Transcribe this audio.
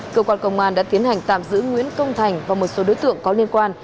cơ quan công an đã tiến hành tạm giữ nguyễn công thành và một số đối tượng có liên quan